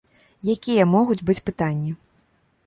Якія могуць быць пытанні?